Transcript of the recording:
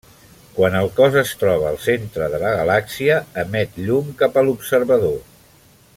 Quan el cos es troba al centre de la galàxia, emet llum cap a l'observador.